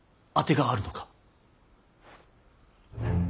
当てがあるのか。